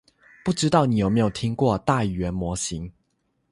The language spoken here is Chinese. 不知道你有没有听过大语言模型？